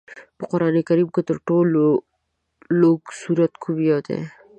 په قرآن کریم کې تر ټولو لوږد سورت کوم یو دی؟